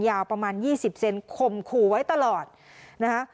ยาวประมาณ๒๐เซนข่มขู่ไว้ตลอดนะคะ